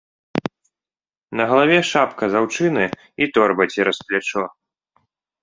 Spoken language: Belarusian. На галаве шапка з аўчыны, і торба цераз плячо.